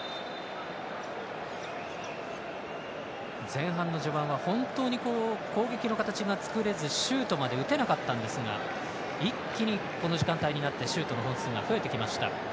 前半の序盤は本当に攻撃の形が作れずシュートまで打てなかったんですが一気にこの時間帯になってシュートの本数が増えてきました。